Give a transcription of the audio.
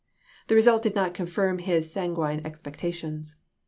The result did not confirm his san guine expectations.